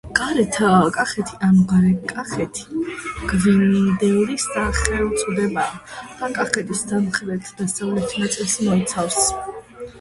გარეთ კახეთი ანუ გარე კახეთი, გვიანდელი სახელწოდებაა და კახეთის სამხრეთ დასავლეთ ნაწილს მოიცავს.